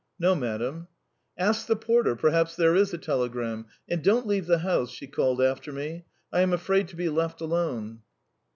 "No, madam." "Ask the porter; perhaps there is a telegram. And don't leave the house," she called after me. "I am afraid to be left alone."